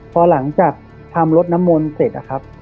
พอหลังจากทำรถน้ำมนต์เสร็จ